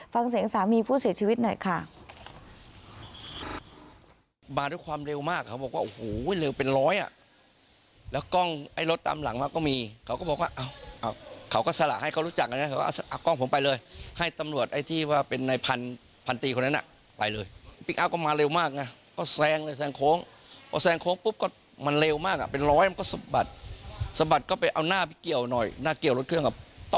ฟังเสียงสามีผู้เสียชีวิตหน่อยค่ะ